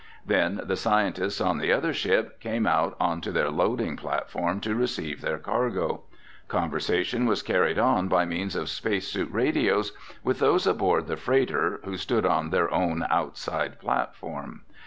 Then the scientists on the other ship came out onto their loading platform to receive their cargo. Conversation was carried on by means of space suit radios with those aboard the freighter, who stood on their own outside platform.